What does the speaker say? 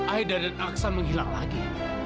aida dan aksan menghilang lagi